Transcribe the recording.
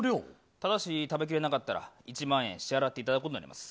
ただし、食べきれなかったら、１万円支払っていただくことになります。